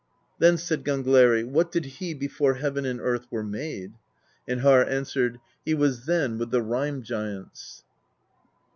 Then said Gangleri: "What did he before heaven and earth were made?" And Harr answered: "He was then with the Rime Giants."